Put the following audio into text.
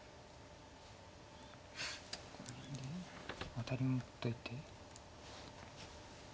アタリに打っといて。